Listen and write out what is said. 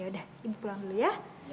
ya udah ibu pulang dulu ya